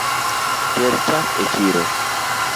Ter chak e chiro